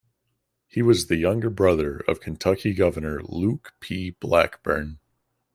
He was the younger brother of Kentucky governor Luke P. Blackburn.